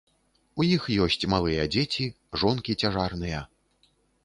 У іх ёсць малыя дзеці, жонкі цяжарныя.